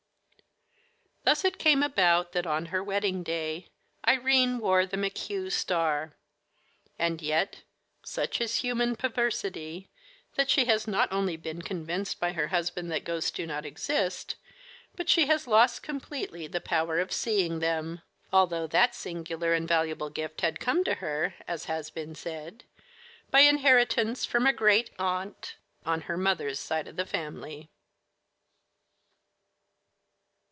Thus it came about that on her wedding day Irene wore the "McHugh star;" and yet, such is human perversity that she has not only been convinced by her husband that ghosts do not exist, but she has lost completely the power of seeing them, although that singular and valuable gift had come to her, as has been said, by inheritance from a great aunt on her mother's side of the family.